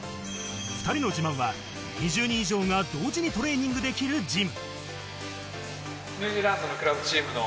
２人の自慢は２０人以上が同時にトレーニングできるジム。